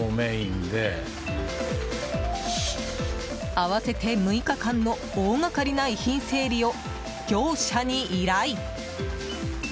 合わせて６日間の大がかりな遺品整理を業者に依頼。